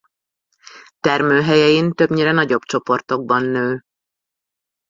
Termőhelyein többnyire nagyobb csoportokban nő.